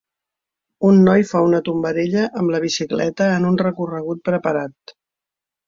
Un noi fa una tombarella amb la bicicleta en un recorregut preparat.